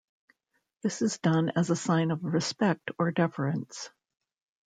This is done as a sign of respect or deference.